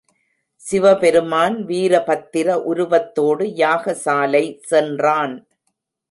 சிவபெருமான் வீரபத்திர உருவத்தோடு யாகசாலை சென்றான்.